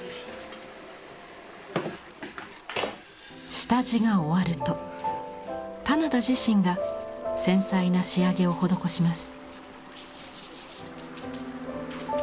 下地が終わると棚田自身が繊細な仕上げを施します。